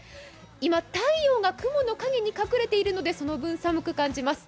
今、太陽が雲の陰に隠れているのでその分寒く感じます。